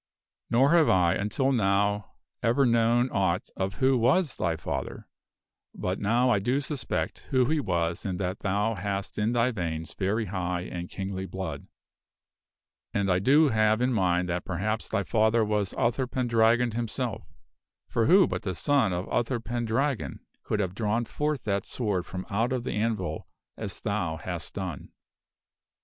" Nor have I until now ever known aught of who was thy father; but now I do suspect who he was and that thou hast in thy veins very high and kingly blood. And I do have in mind that perhaps thy father was Uther Pendragon himself. For who but the son of Uther Pendragon could have drawn forth that sword from out of the anvil as thou hast done